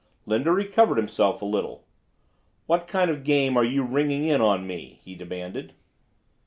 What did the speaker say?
Linder recovered himself a little. "What kind of a game are you ringing in on me?" he demanded.